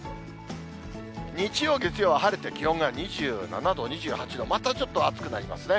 日曜、月曜は晴れて気温が２７度、２８度、またちょっと暑くなりますね。